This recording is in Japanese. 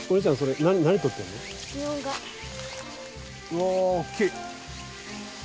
うわぁ大きい。